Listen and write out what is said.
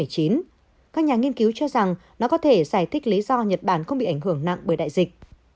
các nhà nghiên cứu cho rằng nó có thể giải thích lý do nhật bản không bị ảnh hưởng nặng bởi đại dịch